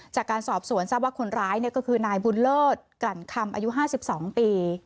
จากการสอบสวนทราบว่าคนร้ายเนี้ยก็คือนายบุญเลิศกันคำอายุห้าสิบสองปี